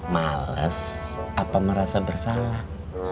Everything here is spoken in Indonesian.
males apa merasa bersalah